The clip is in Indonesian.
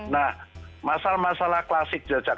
nah masalah masalah klasik jakarta tentu untuk mensejajarkan